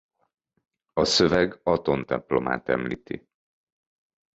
A szöveg Aton templomát említi.